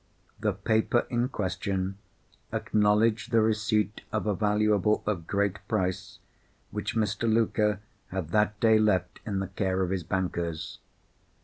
The paper in question acknowledged the receipt of a valuable of great price which Mr. Luker had that day left in the care of his bankers.